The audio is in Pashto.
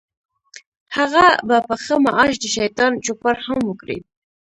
هغه به په ښه معاش د شیطان چوپړ هم وکړي.